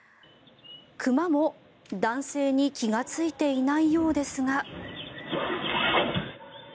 熊も男性に気がついていないようですが。